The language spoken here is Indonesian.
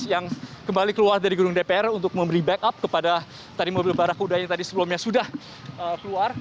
yang kembali keluar dari gedung dpr untuk memberi backup kepada mobil barah kuda yang sebelumnya sudah keluar